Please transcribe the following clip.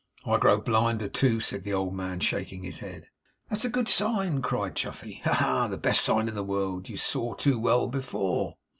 'I grow blinder, too,' said the old man, shaking his head. 'That's a good sign!' cried Chuffey. 'Ha! ha! The best sign in the world! You saw too well before.